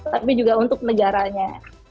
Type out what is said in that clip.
tapi juga untuk negaranya